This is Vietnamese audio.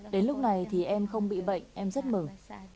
đến lúc này thì em không bị bệnh em rất mừng